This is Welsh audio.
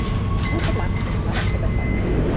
Grŵp o blant yn ymladd â chleddyfau.